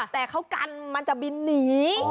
แต่เขากันมันจะบินหนี